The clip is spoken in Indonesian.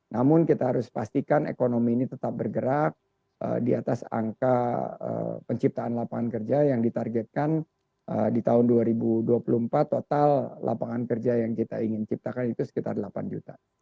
namun kita harus pastikan ekonomi ini tetap bergerak di atas angka penciptaan lapangan kerja yang ditargetkan di tahun dua ribu dua puluh empat total lapangan kerja yang kita ingin ciptakan itu sekitar delapan juta